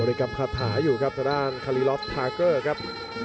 ริกรรมคาถาอยู่ครับทางด้านคารีลอฟทาเกอร์ครับ